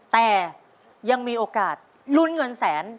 แต่ยังมีโอกาสลุ้นเงินแสน